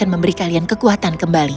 memberi kalian kekuatan kembali